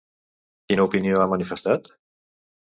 Quina opinió ha manifestat?